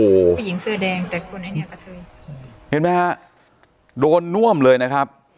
ผู้หญิงเสื้อแดงแต่คนนี้กระทืบเห็นไหมฮะโดนน่วมเลยนะครับ